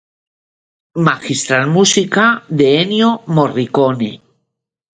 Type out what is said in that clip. Magistral música de Ennio Morricone.